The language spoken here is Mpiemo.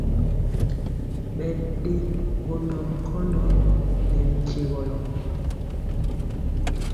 Ɓɛ ɗe ŋgondɔ nkɔndɔ nɛ binkyegɔlɔ.